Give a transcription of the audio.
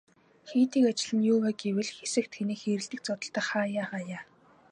Хийдэг ажил нь юу вэ гэвэл хэсэх, тэнэх хэрэлдэх, зодолдох хааяа хааяа.